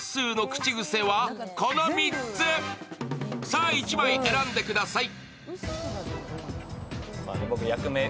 さあ、１枚選んでください。